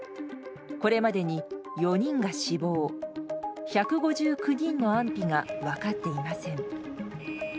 これまでに４人が死亡１５９人の安否が分かっていません。